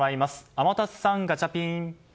天達さん、ガチャピン！